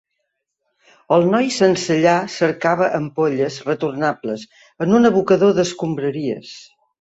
El noi sensellar cercava ampolles retornables en un abocador d'escombraries.